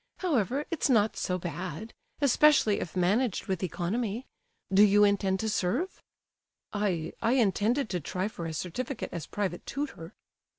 "However, it's not so bad, especially if managed with economy. Do you intend to serve?" "I—I intended to try for a certificate as private tutor."